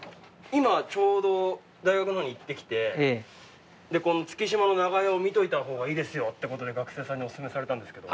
今ちょうど大学のほうに行ってきてこの月島の長屋を見といたほうがいいですよってことで学生さんにおすすめされたんですけど。